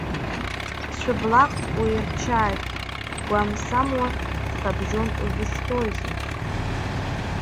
Цәаблаҟ уирчааит, угәам-самуа ҵхыбжьон узышьҭоузеи.